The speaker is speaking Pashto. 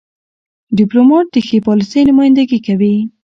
. ډيپلومات د ښې پالیسۍ نمایندګي کوي.